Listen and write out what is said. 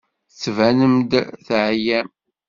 Tettbanem-d teɛyam.